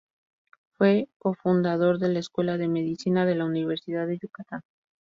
Fue co-fundador de la Escuela de Medicina de la Universidad de Yucatán.